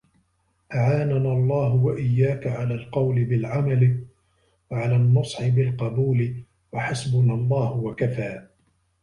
أَعَانَنَا اللَّهُ ، وَإِيَّاكَ عَلَى الْقَوْلِ بِالْعَمَلِ وَعَلَى النُّصْحِ بِالْقَبُولِ وَحَسْبُنَا اللَّهُ وَكَفَى